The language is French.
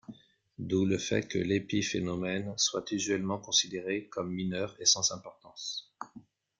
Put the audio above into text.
D'où le fait que l'épiphénomène soit usuellement considéré comme mineur et sans importance.